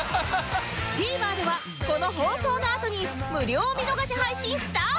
ＴＶｅｒ ではこの放送のあとに無料見逃し配信スタート！